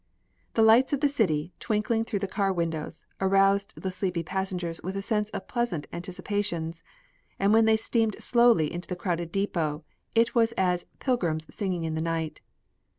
The lights of the city, twinkling through the car windows, aroused the sleepy passengers with a sense of pleasant anticipations, and when they steamed slowly into the crowded depot, it was as "pilgrims singing in the night."